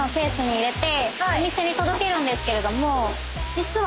実は。